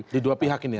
di dua pihak ini ya